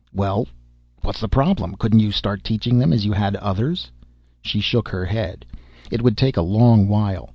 "Well, what was the problem? Couldn't you start teaching them as you had others?" She shook her head. "It would take a long while.